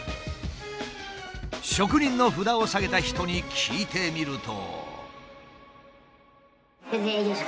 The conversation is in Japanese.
「職人」の札をさげた人に聞いてみると。